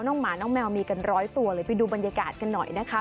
หมาน้องแมวมีกันร้อยตัวเลยไปดูบรรยากาศกันหน่อยนะคะ